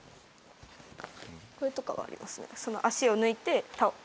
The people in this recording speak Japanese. これとかはありますね。